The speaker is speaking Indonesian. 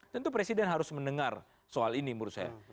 tentu presiden harus mendengar soal ini menurut saya